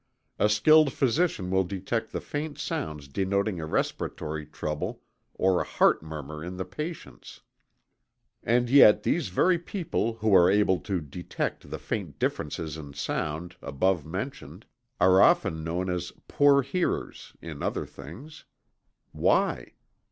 A skilled physician will detect the faint sounds denoting a respiratory trouble or a "heart murmur" in the patients. And yet these very people who are able to detect the faint differences in sound, above mentioned, are often known as "poor hearers" in other things. Why?